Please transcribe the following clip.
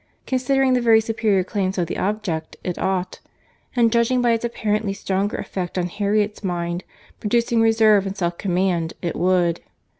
Considering the very superior claims of the object, it ought; and judging by its apparently stronger effect on Harriet's mind, producing reserve and self command, it would.